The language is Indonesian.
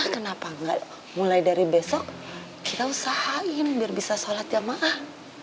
kenapa enggak mulai dari besok kita usahain biar bisa sholat jamaah